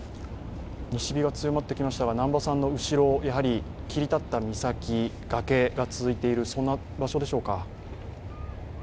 西日が強まってきましたが南波さんの後ろ、切り立った岬崖が続いている、そんな場所でしょうか。